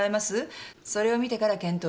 それを見てから検討します。